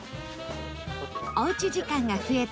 おうち時間が増えた